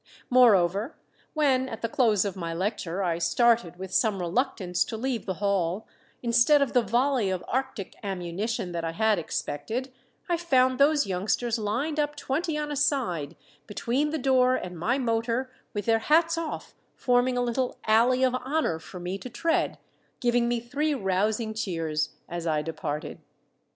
Moreover, when at the close of my lecture I started with some reluctance to leave the hall, instead of the volley of arctic ammunition that I had expected, I found those youngsters lined up twenty on a side between the door and my motor with their hats off, forming a little alley of honor for me to tread, giving me three rousing cheers as I departed.